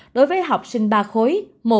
đối với học sinh ba khối